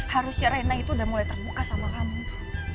harusnya reina itu udah mulai terbuka sama kamu nno